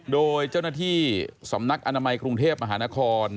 โดยเจ้าหน้าที่สำนักอนามัยกรุงเทพมหานคร